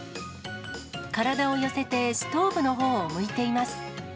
体を寄せて、ストーブのほうを向いています。